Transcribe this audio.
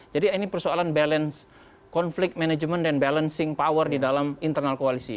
jadi ini persoalan balance conflict management dan balancing power di dalam internal koalisi